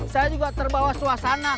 saya juga terbawa suasana